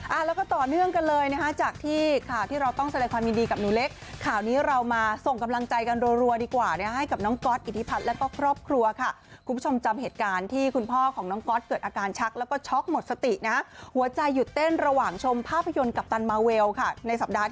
แล้วก็ต่อเนื่องกันเลยนะคะจากที่ข่าวที่เราต้องแสดงความยินดีกับหนูเล็กข่าวนี้เรามาส่งกำลังใจกันรัวดีกว่าให้กับน้องก๊อตอิทธิพัฒน์แล้วก็ครอบครัวค่ะคุณผู้ชมจำเหตุการณ์ที่คุณพ่อของน้องก๊อตเกิดอาการชักแล้วก็ช็อกหมดสตินะหัวใจหยุดเต้นระหว่างชมภาพยนตร์กัปตันมาเวลค่ะในสัปดาห์